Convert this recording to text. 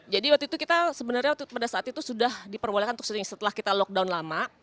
jadi waktu itu kita sebenarnya pada saat itu sudah diperbolehkan untuk shooting setelah kita lockdown lama